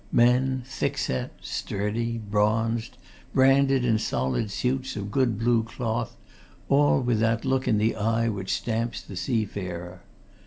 Men, thick set, sturdy, bronzed, branded in solid suits of good blue cloth, all with that look in the eye which stamps the seafarer.